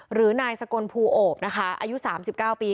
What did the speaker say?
หรือนายสกลภูโอบนะคะอายุ๓๙ปี